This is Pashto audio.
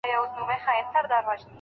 چي یوه خدای ته زر کلونه پر سجده وو کلی